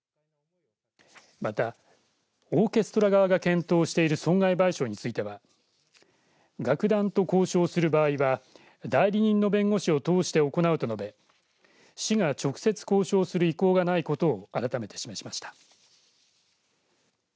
またオーケストラ側が検討している損害賠償については楽団と交渉する場合は代理人の弁護士を通して行うと述べ市が直接交渉する意向がないことを改めて示しました。